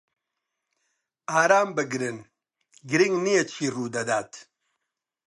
ئارام بگرن، گرنگ نییە چی ڕوودەدات.